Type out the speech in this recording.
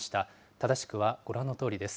正しくはご覧のとおりです。